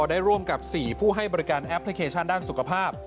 ได้ร่วมกับ๔ผู้ให้บริการแอปพลิเคชันด้านสุขภาพ